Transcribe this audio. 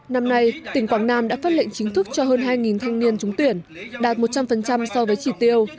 năm nay tỉnh quảng nam đã phát lệnh chính thức cho hơn hai thanh niên trúng tuyển đạt một trăm linh so với chỉ tiêu